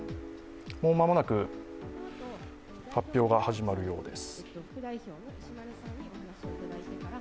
もう間もなく発表が始まるようです。